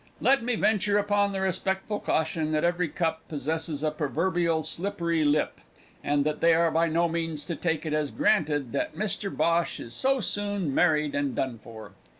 Let me venture upon the respectful caution that every cup possesses a proverbially slippery lip, and that they are by no means to take it as granted that Mr Bhosh is so soon married and done for.